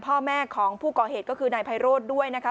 พ่อแม่ของผู้ก่อเหตุก็คือนายไพโรธด้วยนะคะ